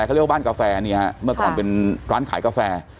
เขาเรียกว่าบ้านกาแฟเนี่ยฮะเมื่อก่อนเป็นร้านขายกาแฟ